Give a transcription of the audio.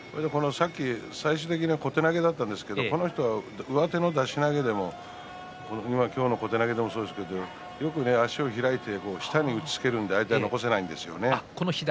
最終的に小手投げでしたがこの人は上手の出し投げでも今日の小手投げもそうですがよく足を開いて下に打ちつけるので相手は残せません。